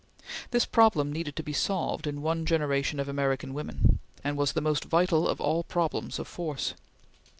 This problem needed to be solved in one generation of American women, and was the most vital of all problems of force.